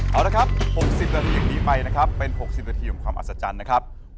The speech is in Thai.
เอาละครับ๖๐นาทีอย่างนี้ไปนะครับเป็น๖๐นาทีของความอัศจรรย์นะครับ